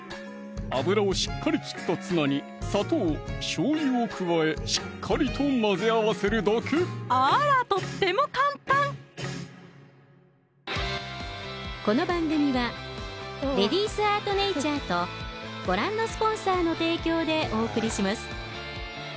油をしっかり切ったツナに砂糖・しょうゆを加えしっかりと混ぜ合わせるだけあらとっても簡単今週は番組から素敵なプレゼントがあります